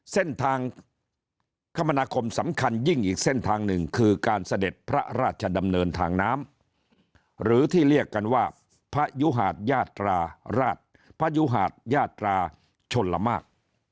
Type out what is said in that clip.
เส้นทางคมนาคมสำคัญยิ่งอีกเส้นทางหนึ่งคือการเสด็จพระราชดำเนินทางน้ำหรือที่เรียกกันว่าพระยุหาดยาตราราชพยุหาดยาตราชนละมาก